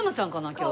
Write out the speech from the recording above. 今日。